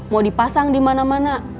mau dipasang di mana mana